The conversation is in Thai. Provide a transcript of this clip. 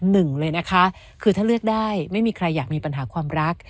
หนึ่งเลยนะคะคือถ้าเลือกได้ไม่มีใครอยากมีปัญหาความรัก